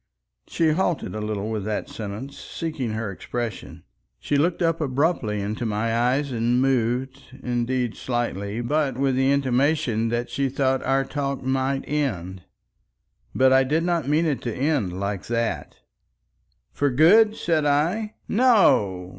She halted a little with that sentence, seeking her expression. She looked up abruptly into my eyes and moved, indeed slightly, but with the intimation that she thought our talk might end. But I did not mean it to end like that. "For good?" said I. "No!